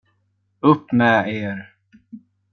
Upp med er!